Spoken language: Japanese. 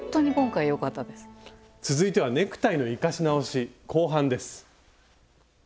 続いてはネクタイの「生かし直し」後半です。